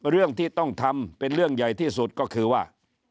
เรื่องที่ต้องทำเป็นเรื่องใหญ่ที่สุดก็คือว่า